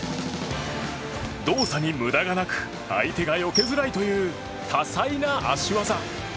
動作に無駄がなく相手がよけづらいという多彩な足技。